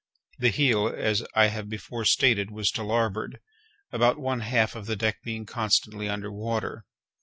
The heel, as I have before stated, was to larboard, about one half of the deck being constantly under water.